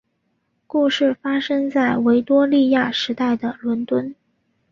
故事发生在维多利亚时代的伦敦。